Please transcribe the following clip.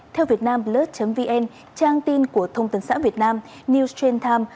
theo vietnamblood vn trang tin của thông tin xã việt nam newschain time